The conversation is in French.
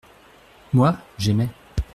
Moi, j’aimais.